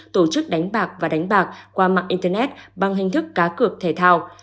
tổ chức đánh bạc và đánh bạc qua mạng internet bằng hình thức cá cược thể thao